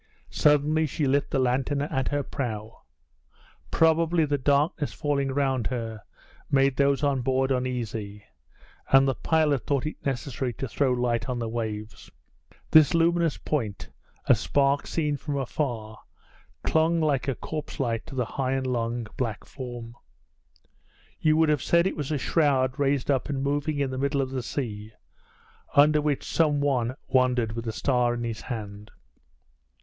Suddenly she lit the lantern at her prow. Probably the darkness falling round her made those on board uneasy, and the pilot thought it necessary to throw light on the waves. This luminous point, a spark seen from afar, clung like a corpse light to the high and long black form. You would have said it was a shroud raised up and moving in the middle of the sea, under which some one wandered with a star in his hand.